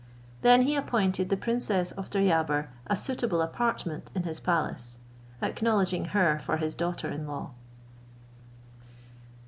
Then he appointed the princess of Deryabar a suitable apartment in his palace, acknowledging her for his daughter in law.